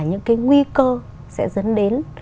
những cái nguy cơ sẽ dẫn đến